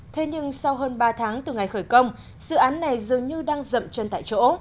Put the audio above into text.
thế nhưng sau hơn ba tháng từ ngày khởi công dự án này dường như đang dậm chân tại chỗ